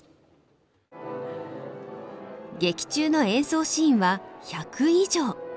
劇中の演奏シーンは１００以上。